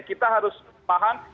kita harus paham